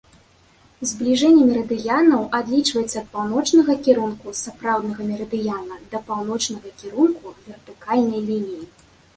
Збліжэнне мерыдыянаў адлічваецца ад паўночнага кірунку сапраўднага мерыдыяна да паўночнага кірунку вертыкальнай лініі.